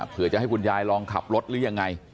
เพื่อจะให้คุณยายลองขับรถหรือยังไง